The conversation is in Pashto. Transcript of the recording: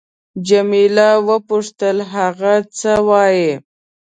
جميله وپوښتل: هغه څه وایي؟